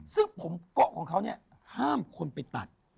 ซึ่งผมเกาะของเขาเนี่ยห้ามคนไปตัด